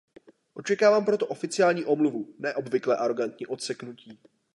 Očekávám proto oficiální omluvu, ne obvyklé arogantní odseknutí.